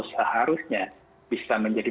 seharusnya bisa menjadi